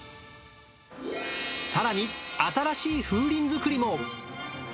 さらに、新しい風鈴作りも。